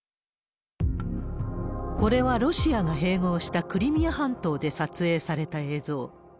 これはロシアが併合したクリミア半島で撮影された映像。